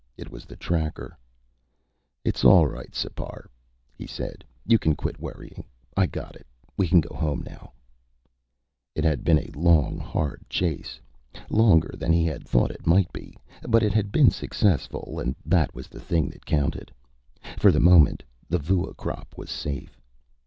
It was the tracker. "It's all right, Sipar," he said. "You can quit worrying. I got it. We can go home now." It had been a long, hard chase, longer than he had thought it might be. But it had been successful and that was the thing that counted. For the moment, the vua crop was safe.